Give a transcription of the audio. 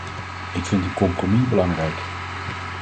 Ik vind een compromis belangrijk.